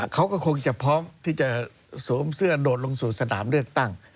เขาก็คงจะพร้อมที่จะสวมเสื้อโดดลงสู่สนามเลือกตั้ง